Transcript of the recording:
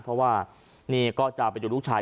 เพราะว่านี่ก็จะไปดูลูกชาย